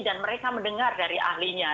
dan mereka mendengar dari ahlinya